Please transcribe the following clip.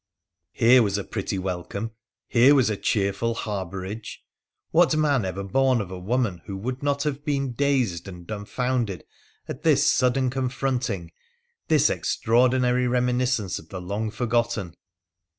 Here was a pretty welcome ! Here was a cheerful har bourage ! What man ever born of a woman who would not have been dazed and dumbfounded at this sudden confronting ■— this extraordinary reminiscence of the long forgotten